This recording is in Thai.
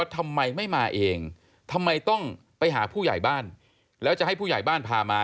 ทำไมต้องไปหาผู้ใหญ่บ้านแล้วจะให้ผู้ใหญ่บ้านพามา